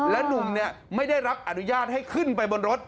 และหนุ่มไม่ได้รับอนุญาตให้ขึ้นไปบนรถ